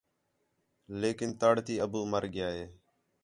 لیکن تڑ تی ابو مر ڳِیا ہِے